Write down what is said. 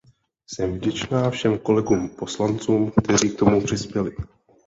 Jsem vděčná všem kolegům poslancům, kteří k tomu přispěli.